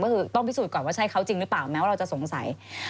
ก็คือต้องพิสูจน์ก่อนว่าใช่เขาจริงหรือเปล่าแม้ว่าเราจะสงสัย